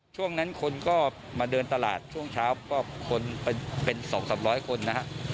ช่วงนั้นคนก็มาเดินตลาดช่วงเช้าก็คนเป็น๒๓๐๐คนนะฮะ